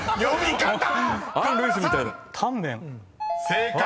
［正解。